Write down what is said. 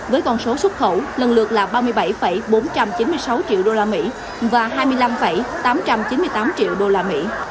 với con số xuất khẩu lần lượt là ba mươi bảy bốn trăm chín mươi sáu triệu đô la mỹ và hai mươi năm tám trăm chín mươi tám triệu đô la mỹ